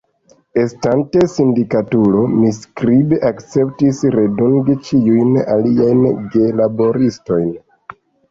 Estante sindikatulo, mi skribe akceptis redungi ĉiujn liajn gelaboristojn.